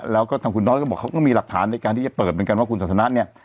แล้วก็ทางคุณน้อยก็บอกเขาก็มีหลักฐานในการที่จะเปิดเหมือนกันว่าคุณสันทนะเนี่ย